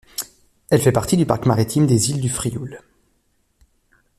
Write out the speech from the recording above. Elle fait partie du Parc Maritime des Îles du Frioul.